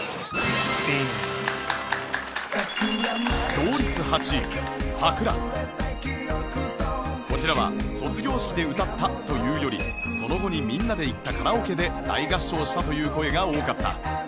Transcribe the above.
同率こちらは卒業式で歌ったというよりその後にみんなで行ったカラオケで大合唱したという声が多かった